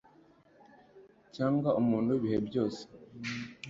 Cyangwa umuntu wibihe byose